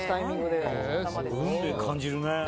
運命感じるね。